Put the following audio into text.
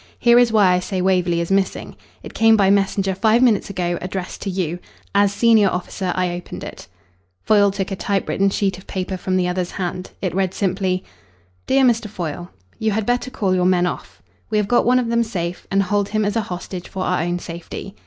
"Here is why I say Waverley is missing. It came by messenger five minutes ago, addressed to you. As senior officer I opened it." Foyle took a typewritten sheet of paper from the other's hand. It read simply "DEAR MR. FOYLE, You had better call your men off. We have got one of them safe, and hold him as a hostage for our own safety.